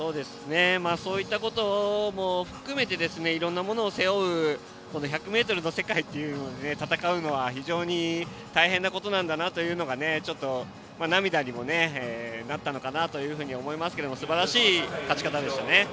そういったことも含めていろいろなものを背負う１００ｍの世界で戦うのは非常に大変なことなんだなというのが涙にもなったのかなと思いますがすばらしい勝ち方でしたね。